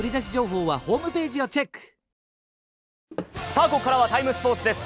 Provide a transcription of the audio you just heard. さぁ、ここからは「ＴＩＭＥ，スポーツ」です。